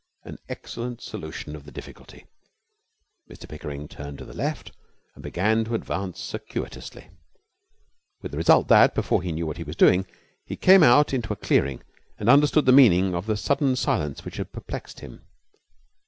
An excellent solution of the difficulty. Mr Pickering turned to the left and began to advance circuitously, with the result that, before he knew what he was doing, he came out into a clearing and understood the meaning of the sudden silence which had perplexed him.